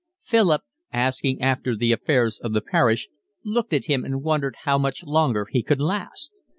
Philip, asking after the affairs of the parish, looked at him and wondered how much longer he could last.